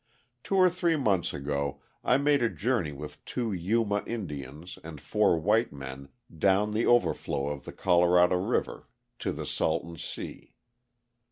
Two or three months ago I made a journey with two Yuma Indians and four white men down the overflow of the Colorado River to the Salton Sea.